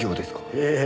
ええ。